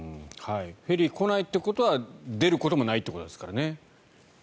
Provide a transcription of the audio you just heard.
フェリーが来ないということは出ることもないということですからね。